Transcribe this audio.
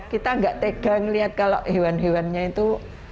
kita nggak tegang lihat kalau hewan hewannya itu